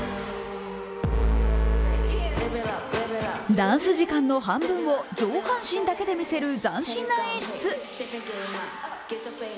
ダンス時間の半分を上半身だけで見せる斬新な演出。